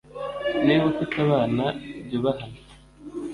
Niba ufite abana, jya ubahana,